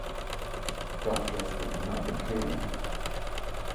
That's just not the case.